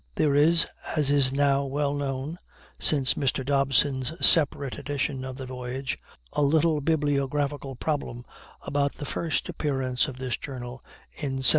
There is, as is now well known since Mr. Dobson's separate edition of the Voyage, a little bibliographical problem about the first appearance of this Journal in 1755.